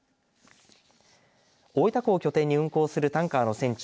大分港を拠点に運航するタンカーの船長